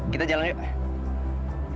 kita jalan yuk